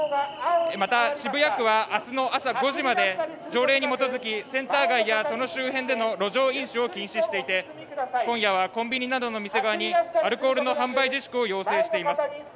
また、渋谷区は明日の朝５時まで条例に基づき、センター街やその周辺での路上飲酒を禁止していて今夜はコンビニなどの店側にアルコールの販売自粛を要請しています。